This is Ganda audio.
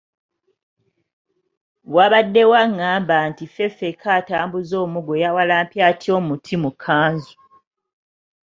Wabaddewo angamba nti Ffeffekka atambuza omuggo yawalampye atya omuti mu kkanzu.